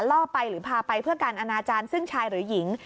ล่อไปหรือพาไปเพื่อการอนาจารย์ซึ่งชายหรือหญิง